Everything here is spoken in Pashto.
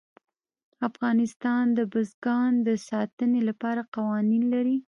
افغانستان د بزګان د ساتنې لپاره قوانین لري.